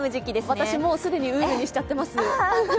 私、既にウールにしちゃってます